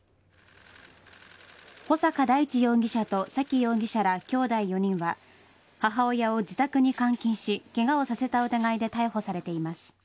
穂坂大地容疑者と沙喜容疑者らきょうだい４人は母親を自宅に監禁しケガをさせた疑いで逮捕されています。